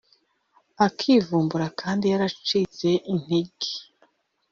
akivumbura, kandi yaracitse n’intege!